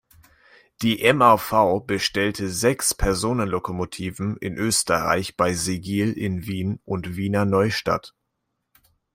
Die MÁV bestellte sechs Personenzuglokomotiven in Österreich bei Sigl in Wien und Wiener Neustadt.